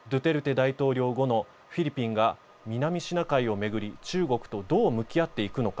大統領後のフィリピンが南シナ海を巡り、中国とどう向き合っていくのか。